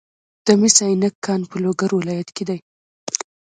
د مس عینک کان په لوګر ولایت کې دی.